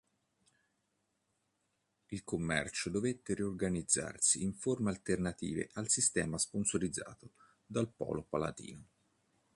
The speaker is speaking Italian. Il commercio dovette riorganizzarsi in forme alternative al sistema sponsorizzato dal polo palatino.